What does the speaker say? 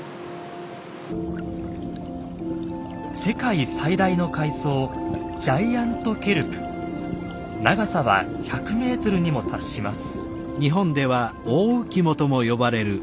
世界最大の海藻長さは１００メートルにも達します。